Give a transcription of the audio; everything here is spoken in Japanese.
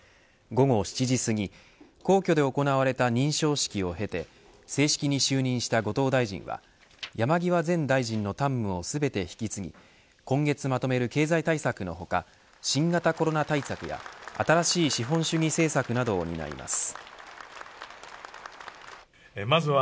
午後７時すぎ皇居で行われた認証式を経て正式に就任した後藤大臣は山際前大臣の担務を全て引き継ぎ今月まとめる経済対策の他新型コロナ対策や新しい資本主義政策などを担います。